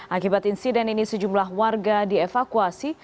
akibat insiden ini sejumlah warga dievakuasi